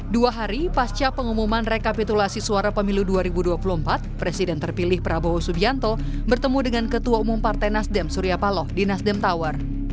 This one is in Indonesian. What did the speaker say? dua hari pasca pengumuman rekapitulasi suara pemilu dua ribu dua puluh empat presiden terpilih prabowo subianto bertemu dengan ketua umum partai nasdem surya paloh di nasdem tower